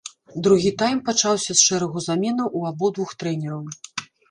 Другі тайм пачаўся з шэрагу заменаў у абодвух трэнераў.